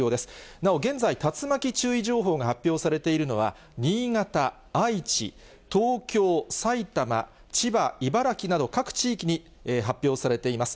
なお、現在、竜巻注意情報が発表されているのは、新潟、愛知、東京、埼玉、千葉、茨城など、各地域に発表されています。